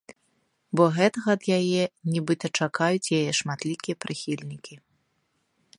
Бо гэтага ад яе нібыта чакаюць яе шматлікія прыхільнікі.